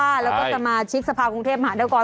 แล้วก็สมาชิกสภากรุงเทพมหานคร